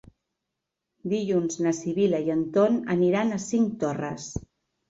Dilluns na Sibil·la i en Ton aniran a Cinctorres.